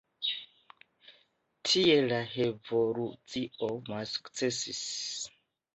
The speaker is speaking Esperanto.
Tiel la revolucio malsukcesis.